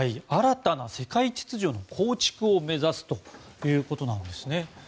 新たな世界秩序の構築を目指すということです。